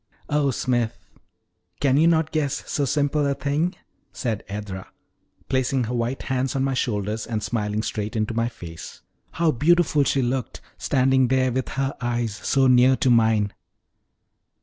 "Oh, Smith, can you not guess so simple a thing?" said Edra, placing her white hands on my shoulders and smiling straight into my face. How beautiful she looked, standing there with her eyes so near to mine!